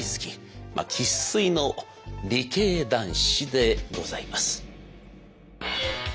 生っ粋の理系男子でございます。